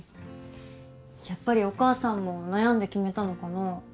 やっぱりお母さんも悩んで決めたのかな？